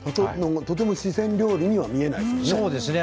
とても四川料理には見えないですね。